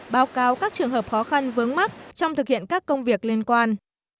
báo cáo các trường hợp khó khăn vướng mắt trong thực hiện các công việc liên quan